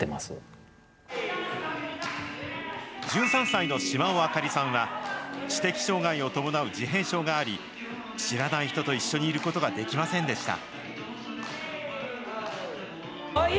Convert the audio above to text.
１３歳の嶋尾朱織さんは、知的障害を伴う自閉症があり、知らない人と一緒にいることができませんでした。